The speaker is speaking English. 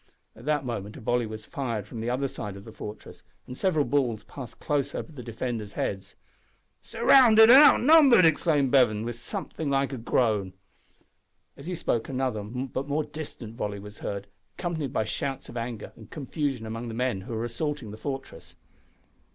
At that moment a volley was fired from the other side of the fortress, and several balls passed close over the defenders' heads. "Surrounded and outnumbered!" exclaimed Bevan, with something like a groan. As he spoke another, but more distant, volley was heard, accompanied by shouts of anger and confusion among the men who were assaulting the fortress.